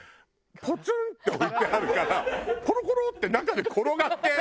ポツンって置いてあるからコロコロって中で転がって。